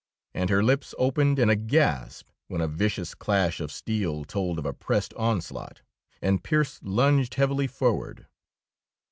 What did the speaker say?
And her lips opened in a gasp when a vicious clash of steel told of a pressed onslaught, and Pearse lunged heavily forward.